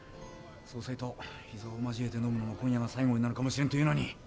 総裁と膝を交えて飲むのも今夜が最後になるかもしれんというのに。